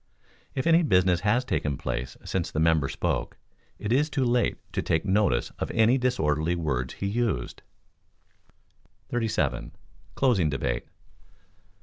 If any business has taken place since the member spoke, it is too late to take notice of any disorderly words he used. 37. Closing Debate.